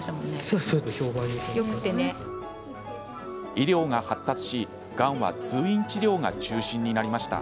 医療が発達し、がんは通院治療が中心になりました。